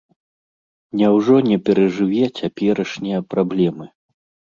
Няўжо не перажыве цяперашнія праблемы?